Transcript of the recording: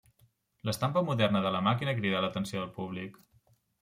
L'estampa moderna de la màquina cridà l'atenció del públic.